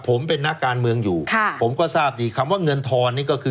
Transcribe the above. ผมเป็นนักการเมืองอยู่ค่ะผมก็ทราบดีคำว่าเงินทอนนี่ก็คือ